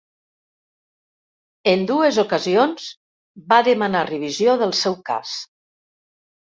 En dues ocasions, va demanar revisió del seu cas.